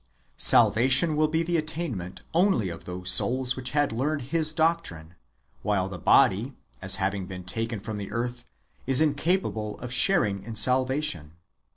Salvation wdll be the attainment only of those souls which had learned his doctrine ; while the body, as having been taken from the earth, is incapable of sharing in salva tion.